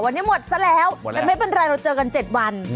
วันนี้หมดซะแล้วแต่ไม่เป็นไรเราเจอกัน๗วัน